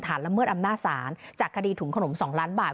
ละเมิดอำนาจศาลจากคดีถุงขนม๒ล้านบาท